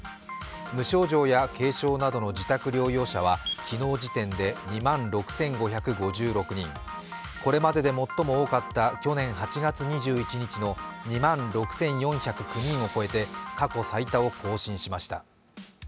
無症状や軽症などの自宅療養者は昨日時点で２万６５５６人これまでで最も多かった去年８月２１日の２万６４０９人を超えて過去最多を更新しました。